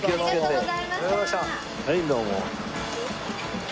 はいどうも。